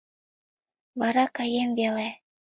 Вара каем веле.